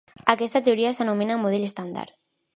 Aquesta teoria s'anomena Model estàndard.